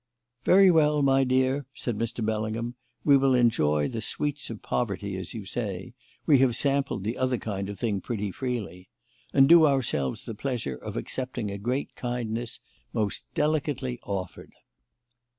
"Very well, my dear," said Mr. Bellingham; "we will enjoy the sweets of poverty, as you say we have sampled the other kind of thing pretty freely and do ourselves the pleasure of accepting a great kindness, most delicately offered."